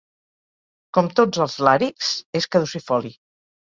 Com tots els làrixs és caducifoli.